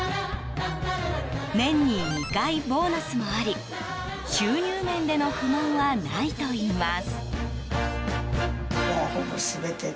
年に２回ボーナスもあり収入面での不満はないといいます。